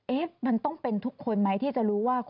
มันต้องเป็นทุกคนไหมที่จะรู้ว่า